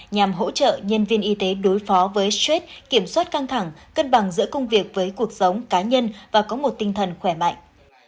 nhằm hỗ trợ nhân viên y tế đối phó với stress kiểm soát căng thẳng cân bằng giữa công việc với cuộc sống cá nhân và có một tinh thần khỏe mạnh